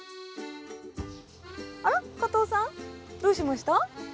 加藤さんどうしました？